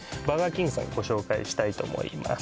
キングさんご紹介したいと思います